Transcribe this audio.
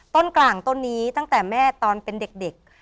กลางต้นนี้ตั้งแต่แม่ตอนเป็นเด็ก